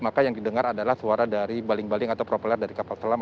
maka yang didengar adalah suara dari baling baling atau propeler dari kapal selam